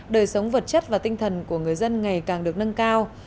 đời sống vật chất và tinh thần của người dân ngày càng được nâng cao